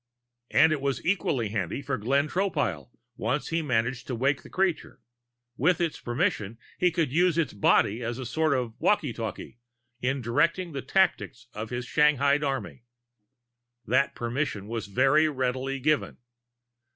And it was equally handy for Glenn Tropile, once he managed to wake the creature with its permission, he could use its body as a sort of walkie talkie in directing the tactics of his shanghaied army. That permission was very readily given.